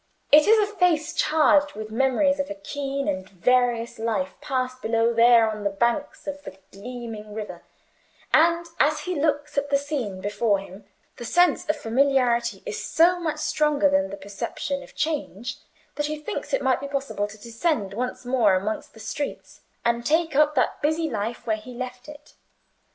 It is a face charged with memories of a keen and various life passed below there on the banks of the gleaming river; and as he looks at the scene before him, the sense of familiarity is so much stronger than the perception of change, that he thinks it might be possible to descend once more amongst the streets, and take up that busy life where he left it.